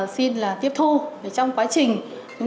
xin là tiếp thu trong quá trình